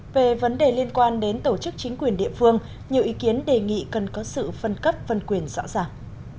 về vấn đề liên quan đến tổ chức chính quyền địa phương nhiều ý kiến đề nghị cần có sự phân cấp phân quyền rõ ràng